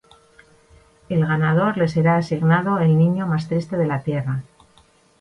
El ganador le será asignado el niño más triste de la Tierra.